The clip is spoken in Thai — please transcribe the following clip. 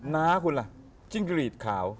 น้าคุณล่ะจิงฤทธิ์ขาว